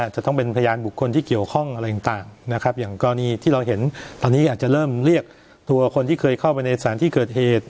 จะต้องเป็นพยานบุคคลที่เกี่ยวข้องอะไรต่างนะครับอย่างกรณีที่เราเห็นตอนนี้อาจจะเริ่มเรียกตัวคนที่เคยเข้าไปในสารที่เกิดเหตุ